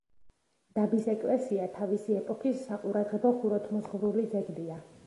დაბის ეკლესია თავისი ეპოქის საყურადღებო ხუროთმოძღვრული ძეგლია.